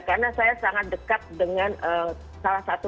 karena saya sangat dekat dengan salah satu